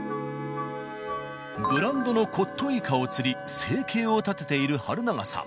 ブランドの特牛イカを釣り、生計を立てている春永さん。